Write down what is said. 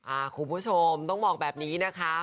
อ่าคุณผู้ชมต้องบอกแบบนี้ค่ะ